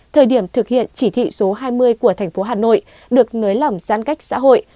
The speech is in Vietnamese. thời điểm thực hiện chỉ thị số hai mươi của thành phố hà nội được nới lỏng giãn cách xã hội